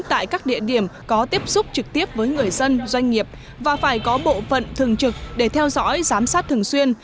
tại các địa điểm có tiếp xúc trực tiếp với người dân doanh nghiệp và phải có bộ phận thường trực để theo dõi giám sát thường xuyên